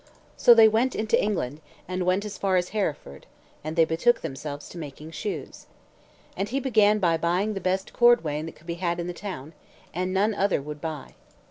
So they went into England, and went as far as Hereford; and they betook themselves to making shoes. And he began by buying the best cordwain that could be had in the town, and none other would buy.